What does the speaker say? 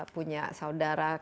punya saudara kenal